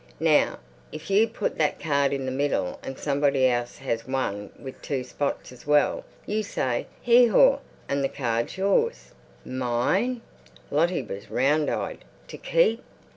Now, if you put that card in the middle and somebody else has one with two spots as well, you say 'Hee haw,' and the card's yours." "Mine?" Lottie was round eyed. "To keep?"